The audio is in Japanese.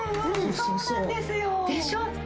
・そうなんですよ・でしょ？